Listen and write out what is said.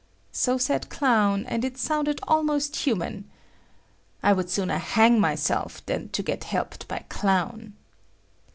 So said Clown and it sounded almost human. I would sooner hang myself than to get helped by Clown.